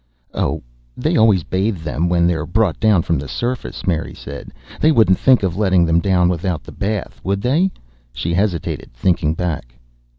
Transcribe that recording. "Oh, they always bathe them when they're brought down from the surface," Mary said. "They wouldn't think of letting them down without the bath. Would they?" She hesitated, thinking back.